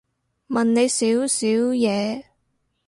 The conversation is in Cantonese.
問你少少嘢